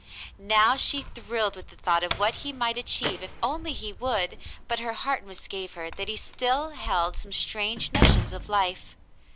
Now she thrilled with the thought of what he might achieve if only he would, but her heart misgave her that he still held some strange notions of life.